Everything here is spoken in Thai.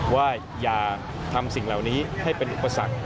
ว่าอย่าทำสิ่งเหล่านี้ให้เป็นอุปสรรค